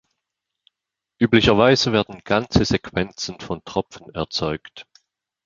Üblicherweise werden ganze Sequenzen von Tropfen erzeugt.